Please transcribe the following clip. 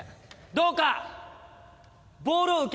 どうか。